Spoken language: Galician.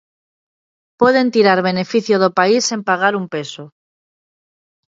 Poden tirar beneficio do país sen pagar un peso.